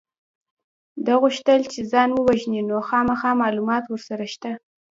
ده غوښتل چې ځان ووژني نو خامخا معلومات ورسره شته